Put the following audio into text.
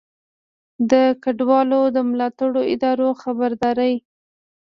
د کډوالو د ملاتړو ادارو خبرداری